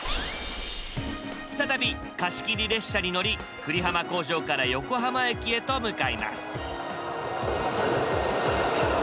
再び貸し切り列車に乗り久里浜工場から横浜駅へと向かいます。